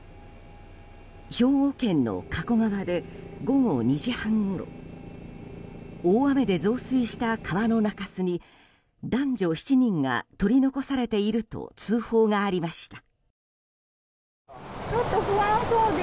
兵庫県の加古川で午後２時半ごろ大雨で増水した川の中州に男女７人が取り残されていると通報がありました。